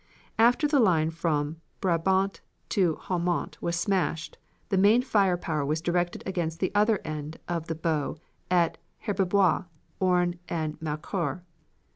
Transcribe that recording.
"After the line from Brabant to Haumont was smashed, the main fire power was directed against the other end of the bow at Herbebois, Ornes, and Maucourt.